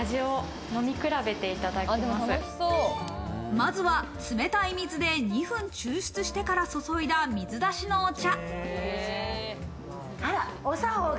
まずは冷たい水で２分抽出してから注いだ水出しのお茶。